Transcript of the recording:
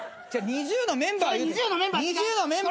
ＮｉｚｉＵのメンバー俺が。